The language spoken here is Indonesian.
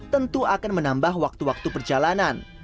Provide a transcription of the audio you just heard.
tentu akan menambah waktu waktu perjalanan